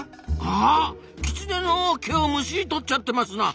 あっキツネの毛をむしり取っちゃってますな。